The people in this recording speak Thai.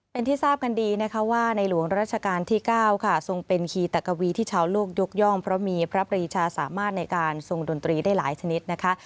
เป็นที่ทราบกันดีนะคะว่าในหลวงราชการที่๙ค่ะทรงเป็นคีตะกวีที่ชาวโลกยกย่องเพราะมีพระปรีชาสามารถในการทรงดนตรีได้หลายชนิดนะคะ